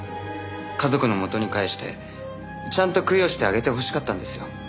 家族の元に帰してちゃんと供養してあげてほしかったんですよ。